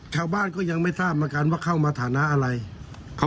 ชาวบ้านก็ยังไม่ทราบเหมือนกันว่าเข้ามาฐานะอะไรเขา